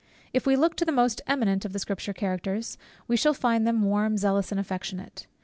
If we look to the most eminent of the Scripture Characters, we shall find them warm, zealous, and affectionate.